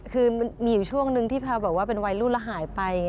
คือมีช่วงนึงเป็นวัยรุ่นละหายไป